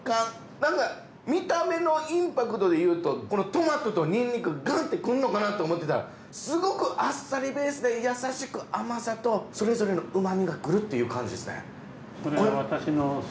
なんか見た目のインパクトで言うとトマトとニンニクガンッてくんのかなと思ってたらすごくあっさりベースで優しく甘さとそれぞれの旨みがくるっていう感じですね。